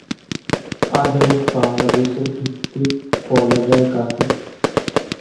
আধুনিক বাংলাদেশের ভিত্তি বলা যায় কাকে?